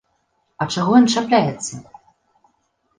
А чаго ён чапляецца?